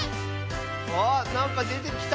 あなんかでてきた。